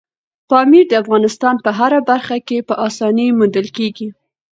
پامیر د افغانستان په هره برخه کې په اسانۍ موندل کېږي.